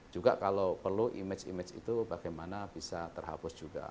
juga kalau perlu image image itu bagaimana bisa terhapus juga